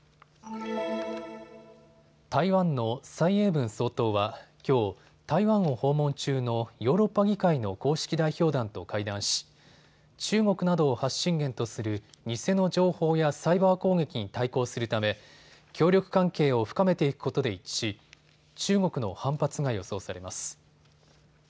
台湾の蔡英文総統はきょう、台湾を訪問中のヨーロッパ議会の公式代表団と会談し中国などを発信源とする偽の情報やサイバー攻撃に対抗するため協力関係を深めていくことで一致し中国の反発が予想されます。